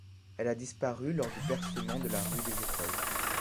Elle a disparu lors du percement de la rue des Écoles.